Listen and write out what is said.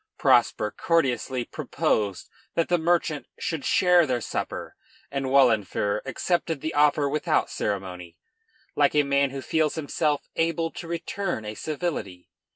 ] Prosper courteously proposed that the merchant should share their supper, and Wahlenfer accepted the offer without ceremony, like a man who feels himself able to return a civility.